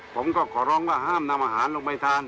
ผมก็ขอร้องว่าห้ามนำอาหารลงไปทาน